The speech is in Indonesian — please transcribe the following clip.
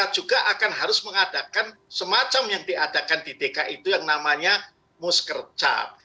juga akan harus mengadakan semacam yang diadakan di dki itu yang namanya muskercap